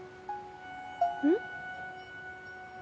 うん？